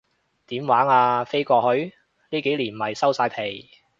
點玩啊，飛過去？呢幾年咪收晒皮